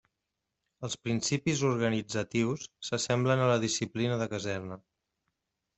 Els principis organitzatius s'assemblen a la disciplina de caserna.